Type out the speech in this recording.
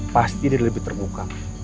pasti dia lebih terbuka